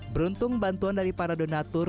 beruntung bantuan dari para donatur